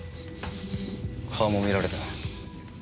顔も見られた。